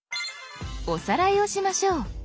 おさらいをしましょう。